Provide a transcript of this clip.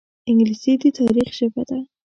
انګلیسي د تاریخ ژبه ده